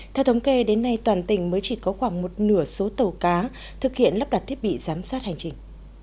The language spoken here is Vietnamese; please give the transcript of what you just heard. theo thống kê đến nay toàn tỉnh mới chỉ có khoảng một nửa số tàu cá thực hiện lắp đặt thiết bị giám sát hành trình